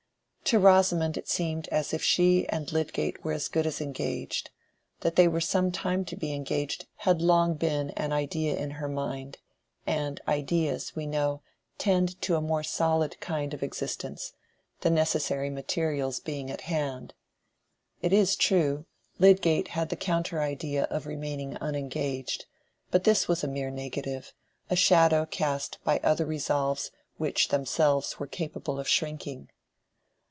To Rosamond it seemed as if she and Lydgate were as good as engaged. That they were some time to be engaged had long been an idea in her mind; and ideas, we know, tend to a more solid kind of existence, the necessary materials being at hand. It is true, Lydgate had the counter idea of remaining unengaged; but this was a mere negative, a shadow cast by other resolves which themselves were capable of shrinking.